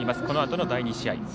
このあとの第２試合。